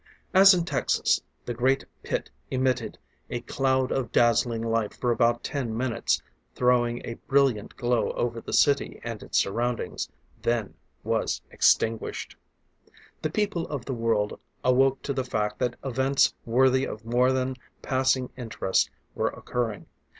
As in Texas, the great pit emitted a cloud of dazzling light for about ten minutes, throwing a brilliant glow over the city and its surroundings; then was extinguished. The people of the world awoke to the fact that events worthy of more than passing interest were occurring.